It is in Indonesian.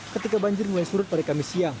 ketika banjir mulai surut pada kamis siang